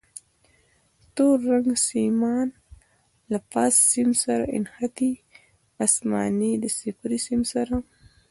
تور رنګ سیمان له فاز سیم سره نښتي، اسماني د صفري سیم سره.